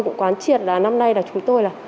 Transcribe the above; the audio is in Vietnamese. cũng quán triệt là năm nay là chúng tôi